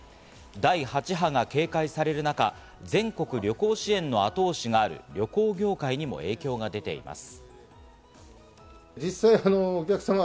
第８波が警戒される中、全国旅行支援の後押しがある旅行業界にも影響が出ています。